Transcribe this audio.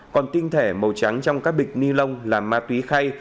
còn tinh thể màu trắng trong các bịch ni lông là ma túy khay